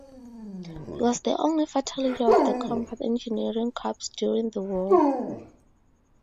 He was the only fatality of the Combat Engineering Corps during the war.